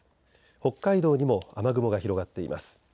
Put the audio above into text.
北海道にも雨雲が広がっています。